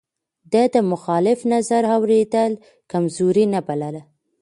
ده د مخالف نظر اورېدل کمزوري نه بلله.